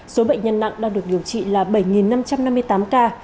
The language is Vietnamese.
số bệnh nhân nặng đang được điều trị là bảy năm trăm năm mươi tám ca